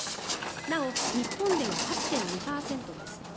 なお、日本では８．２％です。